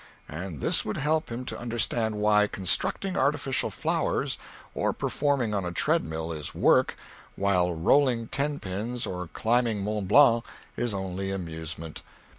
And this would help him to understand why constructing artificial flowers or performing on a tread mill is work, while rolling ten pins or climbing Mont Blanc is only amusement.